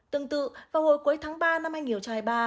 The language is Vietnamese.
tương tự vào hồi cuối tháng ba năm anh hiểu trai ba